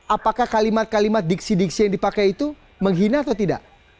apakah kalimat kalimat diksi diksi yang dipakai itu menghina atau tidak